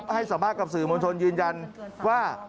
ให้สัมภาษณ์กับสื่อมวลชนยืนยันว่า